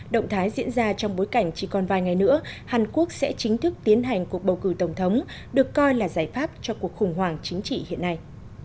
động thái diễn ra trong bối cảnh chỉ còn vài ngày nữa hàn quốc sẽ chính thức tiến hành cuộc bầu cử tổng thống được coi là giải pháp cho cuộc khủng hoảng chính trị hiện nay